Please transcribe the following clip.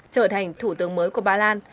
trở thành thủ tướng mới của ba lan